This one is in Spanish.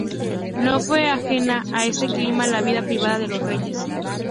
No fue ajena a ese clima la vida privada de los reyes.